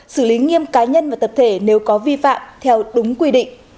xử lý nghiêm cá nhân và tập thể nếu có vi phạm theo đúng quy định